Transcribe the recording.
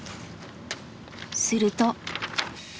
すると。